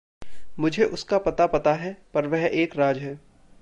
मुझे उसका पता पता है, पर वह एक राज़ है।